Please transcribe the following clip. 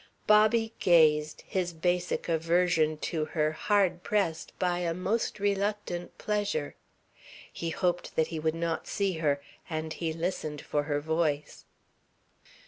Bobby gazed, his basic aversion to her hard pressed by a most reluctant pleasure. He hoped that he would not see her, and he listened for her voice.